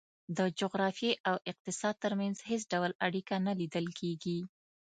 د جغرافیې او اقتصاد ترمنځ هېڅ ډول اړیکه نه لیدل کېږي.